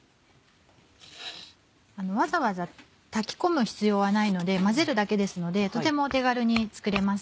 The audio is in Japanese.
わざわざ炊き込む必要はないので混ぜるだけですのでとても手軽に作れます。